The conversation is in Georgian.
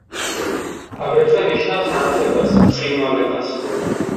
აგრეთვე, ნიშნავს „ნათებას“, „ბრწყინვალებას“.